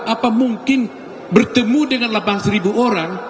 apa mungkin bertemu dengan delapan seribu orang